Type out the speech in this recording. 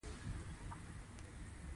زراعت د افغان ماشومانو د زده کړې موضوع ده.